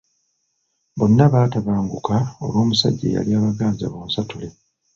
Bonna baatabanguka olw’omusajja eyali abaganza bonsatule.